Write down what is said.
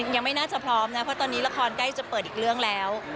ยังไม่น่าจะพร้อมนะเพราะตอนนี้ละครใกล้จะเปิดอีกเรื่องแล้ว